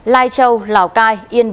lai châu lào cai yên bình